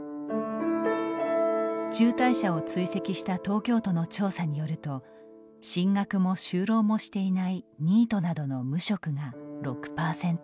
中退者を追跡した東京都の調査によると進学も就労もしていないニートなどの無職が６％。